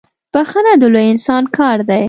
بخښنه د لوی انسان کار دی.